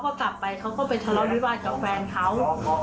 พอไปทะเลาะกับวิวาสกับแฟนเขา